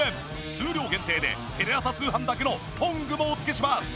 数量限定でテレ朝通販だけのトングもお付けします。